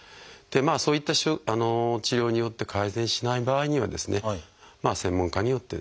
そういった治療によって改善しない場合には専門家によってですね